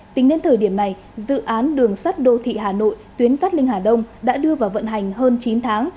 tính đến thời điểm này dự án đường sắt đô thị hà nội tuyến cát linh hà đông đã đưa vào vận hành hơn chín tháng